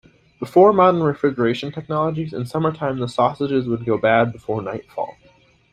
Before modern refrigeration technologies, in summertime the sausages would go bad before nightfall.